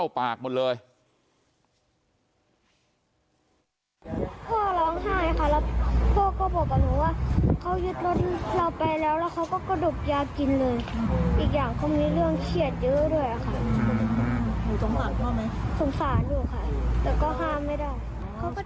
สงสารค่ะแต่ก็ห้ามไม่ได้